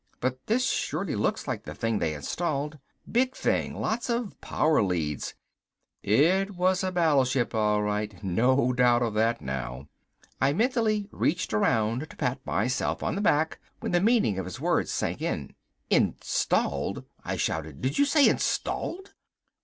But this surely looks like the thing they installed. Big thing. Lots of power leads " It was a battleship all right, no doubt of that now. I was mentally reaching around to pat myself on the back when the meaning of his words sank in. "Installed!" I shouted. "Did you say installed?"